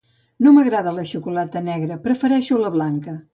No m'agrada la xocolata negra prefereixo la blanca